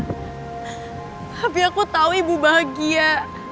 tapi aku tahu ibu bahagia